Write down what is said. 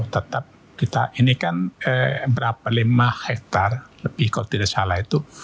tetap kita ini kan berapa lima hektar lebih kalau tidak salah itu